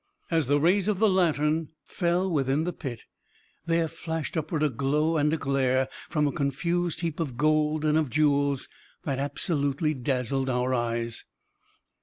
As the rays of the lanterns fell within the pit, there flashed upward a glow and a glare, from a confused heap of gold and of jewels, that absolutely dazzled our eyes.